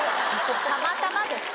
たまたまでしょ。